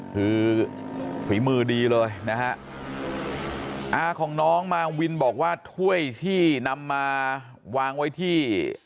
คือฝีมือดีเลยนะฮะอาของน้องมาวินบอกว่าถ้วยที่นำมาวางไว้ที่